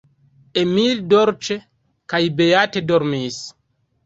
Emil dolĉe kaj beate dormis.